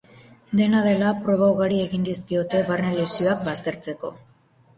Dena dela, proba ugari egin dizkiote barne lesioak baztertzeko.